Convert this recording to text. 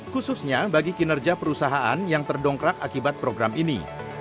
khususnya bagi kinerja perusahaan yang terdongkrak akibat program ini